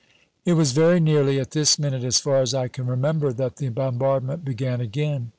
It was very nearly at this minute, as far as I can remember, that the bombardment began again.